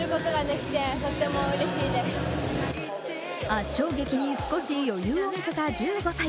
圧勝劇に少し余裕をみせた１５歳。